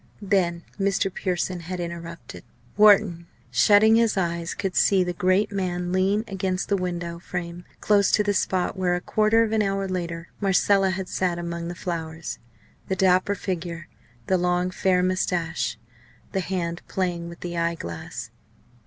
Then Mr. Pearson had interrupted. Wharton, shutting his eyes, could see the great man lean against the window frame close to the spot where, a quarter of an hour later, Marcella had sat among the flowers the dapper figure, the long, fair moustaches, the hand playing with the eye glass.